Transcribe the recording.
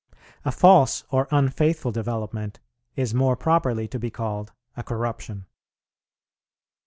A false or unfaithful development is more properly to be called a corruption.